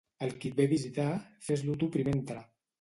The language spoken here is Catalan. El qui et ve a visitar, fes-lo tu primer entrar.